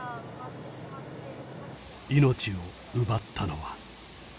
命を奪ったのは。